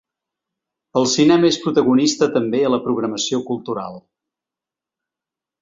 El cinema és protagonista també a la programació cultural.